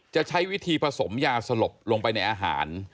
จะใช้วิธีผสมยาสลบลงไปในอาหาร